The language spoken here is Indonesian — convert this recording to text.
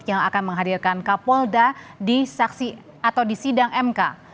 yang akan menghadirkan kapolda di saksi atau di sidang mk